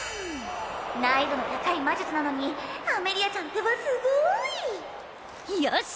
難易度の高い魔術なのにアメリアちゃんってばすごいよしっ！